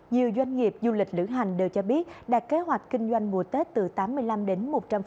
nhiều doanh nghiệp du lịch lửa hành đều cho biết đạt kế hoạch kinh doanh mùa tết từ tám mươi năm đến một trăm linh